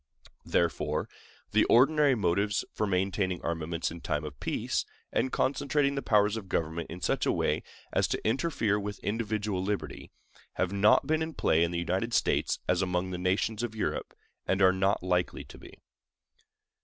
Therefore, the ordinary motives for maintaining armaments in time of peace, and concentrating the powers of government in such a way as to interfere with individual liberty, have not been in play in the United States as among the nations of Europe, and are not likely to be.